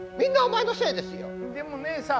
でもねえさん。